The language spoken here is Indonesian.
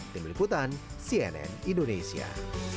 tim liputan cnn indonesia